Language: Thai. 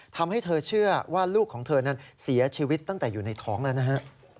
ทำให้เธอเชื่อว่าลูกของเธอนั้นเสียชีวิตตั้งแต่อยู่ในท้องแล้วนะฮะ